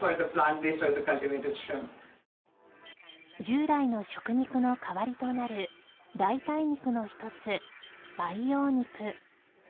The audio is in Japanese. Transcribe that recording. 従来の食肉の代わりとなる代替肉の一つ培養肉